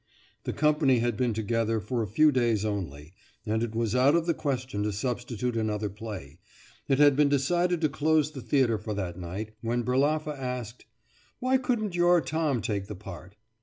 The company had been together for a few days only, and it was out of the question to substitute another play. It had been decided to close the theatre for that night, when Berlaffa asked: "Why couldn't your Tom take the part?"